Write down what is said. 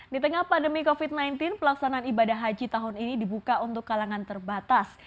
di tengah pandemi covid sembilan belas pelaksanaan ibadah haji tahun ini dibuka untuk kalangan terbatas